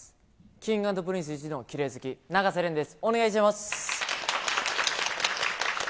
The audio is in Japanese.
Ｋｉｎｇ＆Ｐｒｉｎｃｅいちのきれい好き、永瀬廉です。